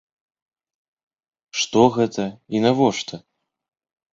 Што гэта і навошта?